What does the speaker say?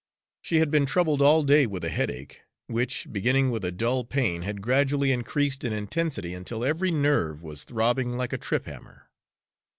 She had been troubled all day with a headache, which, beginning with a dull pain, had gradually increased in intensity until every nerve was throbbing like a trip hammer.